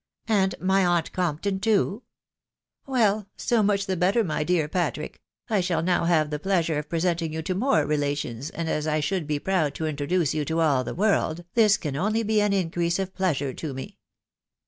and my aunt Compton, too !...• Well, so much the better, my dear Patrick ; I shall now have the pleasure of presenting you to more relations, and as I should be proud to introduce you to all the world, this can only be an increase of pleasure to me.